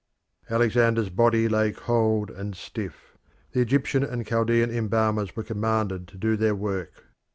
Alexander's body lay cold and stiff. The Egyptian and Chaldean embalmers were commanded to do their work.